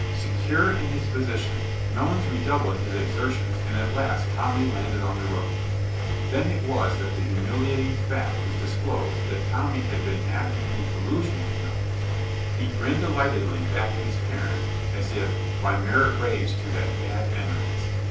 Secure in his position, Melons redoubled his exertions and at last landed Tommy on the roof. Then it was that the humiliating fact was disclosed that Tommy had been acting in collusion with Melons. He grinned delightedly back at his parents, as if "by merit raised to that bad eminence."